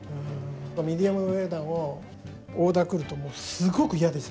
ミディアムウェルダンのオーダーがくるとすごく嫌です。